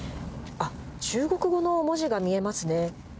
あっ、中国語の文字が見えますね。